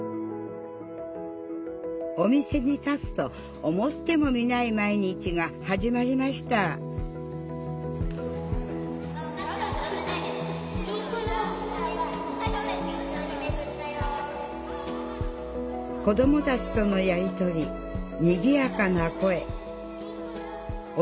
お店に立つと思ってもみない毎日が始まりました子どもたちとのやり取りにぎやかな声。